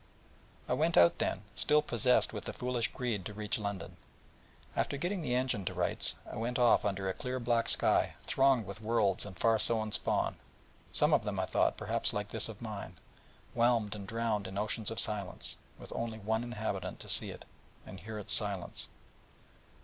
I went out then, still possessed with the foolish greed to reach London, and after getting the engine to rights, went off under a clear black sky thronged with worlds and far sown spawn, some of them, I thought, perhaps like this of mine, whelmed and drowned in oceans of silence, with one only inhabitant to see it, and hear its silence.